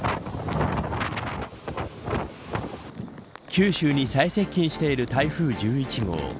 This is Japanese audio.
九州に最接近している台風１１号。